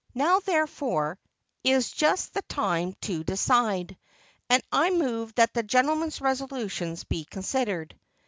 Now, therefore, is just the time to decide; and I move that the gentleman's resolutions be considered."